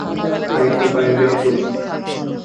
হ্যাঁ, একটু পায়ের ব্যায়াম করছি।